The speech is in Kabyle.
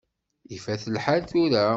Ifat lḥal tura.